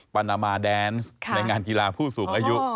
ปานามาแดนซ์ในงานกีฬาผู้สูงอายุ